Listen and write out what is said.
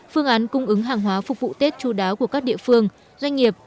phương án cung ứng hàng hóa phục vụ tết chú đáo của các địa phương doanh nghiệp